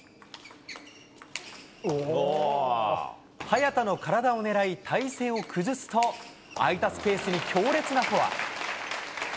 早田の体を狙い、体勢を崩すと、空いたスペースに強烈なフォア。